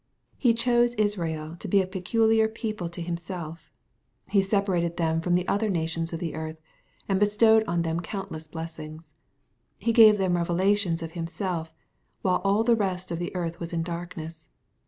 He chose Israel to be a peculiar people to Himself He separated them from the other nations of the earth, and bestowed on them countless blessings. He gave them revelations of Himself, while all the rest of the earth was in darkness.